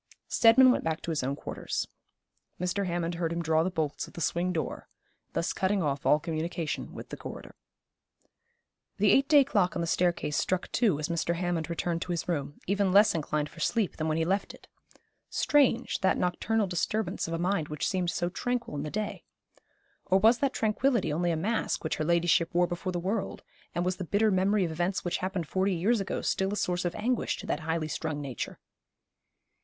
Steadman went back to his own quarters. Mr. Hammond heard him draw the bolts of the swing door, thus cutting off all communication with the corridor. The eight day clock on the staircase struck two as Mr. Hammond returned to his room, even less inclined for sleep than when he left it. Strange, that nocturnal disturbance of a mind which seemed so tranquil in the day. Or was that tranquillity only a mask which her ladyship wore before the world: and was the bitter memory of events which happened forty years ago still a source of anguish to that highly strung nature?